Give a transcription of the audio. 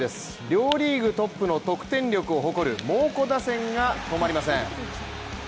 両リーグトップの得点力を誇る猛虎打線が止まりません。